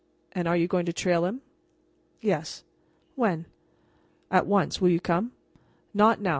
"And you are going to trail him?" "Yes." "When?" "At once. Will you come?" "Not now.